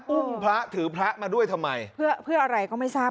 อุ้มพระถือพระมาด้วยทำไมเพื่ออะไรก็ไม่ทราบ